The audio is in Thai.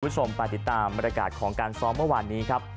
ผู้ชมวันที่ตามรายการของการซ้อมเมื่อวานนี้ครับ